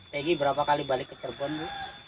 pegi berapa kali kembali ke cerbon bu